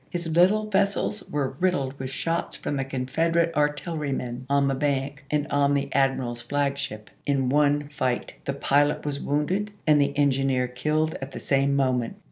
His little vessels were riddled with shots from the Confederate artillerymen on the bank, and on the admii^al's flagship, in one fight, the pilot was wounded and the engineer killed at the same moment.